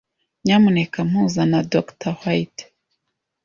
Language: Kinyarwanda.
Nyamuneka mpuza na Dr. White.